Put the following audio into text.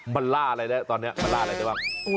มันล่าอะไรแล้วตอนนี้มันล่าอะไรได้บ้าง